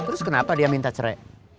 terus kenapa dia minta cerai